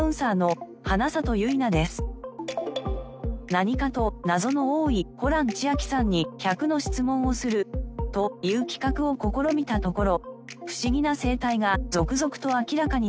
何かと謎の多いホラン千秋さんに１００の質問をするという企画を試みたところフシギな生態が続々と明らかになりました。